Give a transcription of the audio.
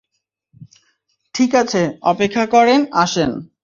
ঠিকাছে, অপেক্ষা করেন, আসেন।